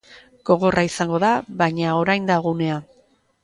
Gogorra izango da, baina orain da unea.